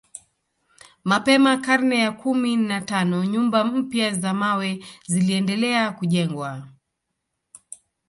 Mapema karne ya kumi na tano nyumba mpya za mawe ziliendelea kujengwa